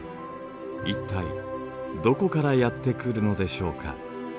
いったいどこからやって来るのでしょうか？